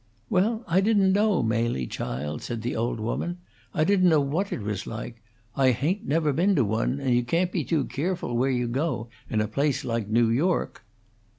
"Well, I didn't know, Mely, child," said the old woman. "I didn't know what it was like. I hain't never been to one, and you can't be too keerful where you go, in a place like New York."